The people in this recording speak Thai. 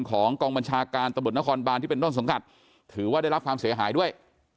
ของกองบัญชาการตำรวจนครบานที่เป็นต้นสังกัดถือว่าได้รับความเสียหายด้วย